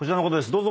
どうぞ。